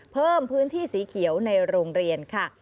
เพิ่มพื้นที่สีเขียวในโรงเรียนค่ะ